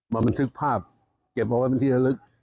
บันทึกภาพเก็บเอาไว้เป็นที่ระลึก